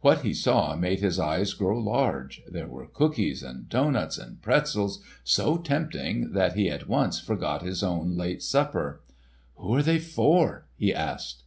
What he saw made his eyes grow large. There were cookies and doughnuts and pretzels so tempting that he at once forgot his own late supper. "Who are they for?" he asked.